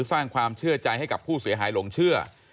สร้างความเชื่อใจให้กับผู้เสียหายหลงเชื่อ